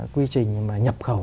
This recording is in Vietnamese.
quy trình nhập khẩu